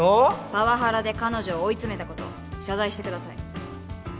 パワハラで彼女を追い詰めたことを謝罪してください。